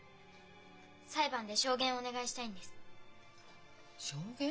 裁判で証言お願いしたいんです。証言？